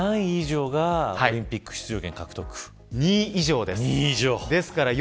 何位以上がオリンピック出場権２位以上です。